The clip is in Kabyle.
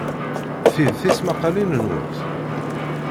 Ti d tismaqqalin-nwent?